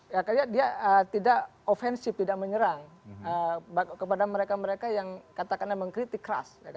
ya kayak dia tidak ofensif tidak menyerang kepada mereka mereka yang katakan memang kritik keras